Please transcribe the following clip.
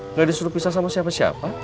nggak disuruh pisah sama siapa siapa